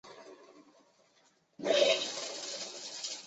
科林斯是一个位于美国阿肯色州耶尔县的城镇。